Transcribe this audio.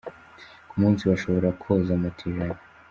Ku munsi bashobora koza moto ijana.